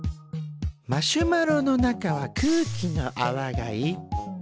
マシュマロの中は空気のあわがいっぱい。